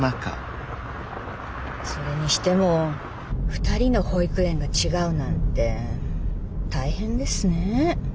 それにしても２人の保育園が違うなんて大変ですねえ。